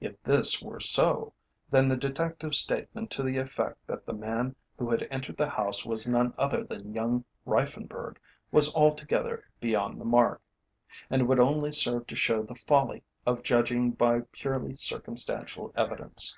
If this were so, then the detective's statement to the effect that the man who had entered the house was none other than young Reiffenburg was altogether beyond the mark, and would only serve to show the folly of judging by purely circumstantial evidence.